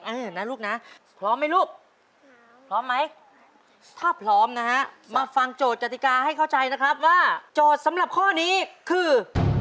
เออนะลูกนะพร้อมไหมลูกพร้อมไหมถ้าพร้อมนะฮะมาฟังโจทติกาให้เข้าใจนะครับว่าโจทย์สำหรับข้อนี้คือ